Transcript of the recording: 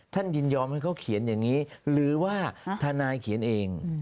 ยินยอมให้เขาเขียนอย่างนี้หรือว่าทนายเขียนเอง